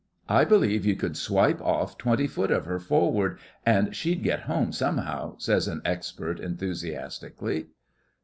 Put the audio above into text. I believe you could swipe off twenty foot of her forward, and she'd get home somehow,' says an expert, enthusiastically.